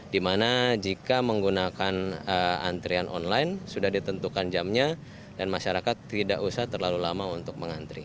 di mana jika menggunakan antrian online sudah ditentukan jamnya dan masyarakat tidak usah terlalu lama untuk mengantri